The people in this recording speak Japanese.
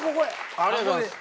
ありがとうございます。